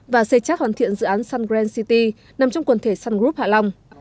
và xây chắc hoàn thiện dự án sun grand city nằm trong quần thể sun group hạ long